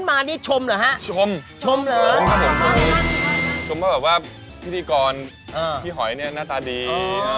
ปัจจุบันนี้